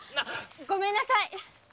ごめんなさい。